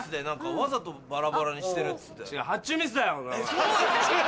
わざとバラバラにしてるっつって。